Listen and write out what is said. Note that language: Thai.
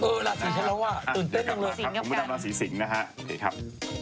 เออราศีชะละว่าตื่นเต้นกับราศีสิงค์กับกัน